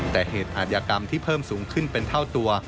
แต่เหตุอาทยากรรมที่เพิ่มสูงขึ้นเป็นเท่าตัว